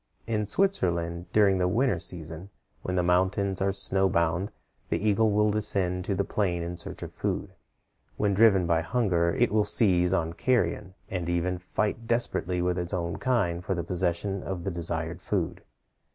In Switzerland, during the winter season, when the mountains are snow bound, the eagle will descend to the plain in search of food. When driven by hunger, it will seize on carrion, and even fight desperately with its own kind for the possession of the desired food.